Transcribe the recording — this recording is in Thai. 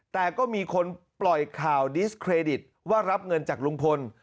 แต่ก็มีคนปล่อยข่าวดิสเครดิตว่ารับเงินจากลุงพล